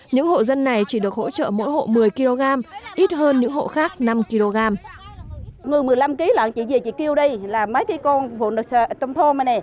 những hộ dân này chỉ được hỗ trợ mỗi hộ một mươi kg ít hơn những hộ khác năm kg